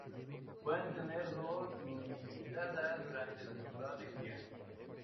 Pueden tener dos nidadas durante la temporada de cría.